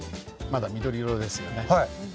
まだ緑色ですよね？